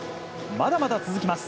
まだまだ続きます。